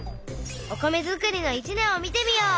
「お米づくりの一年」を見てみよう！